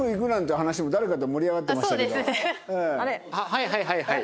はいはいはいはい。